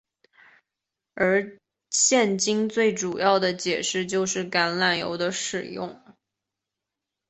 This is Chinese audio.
而现今最主要的解释就是橄榄油的使用。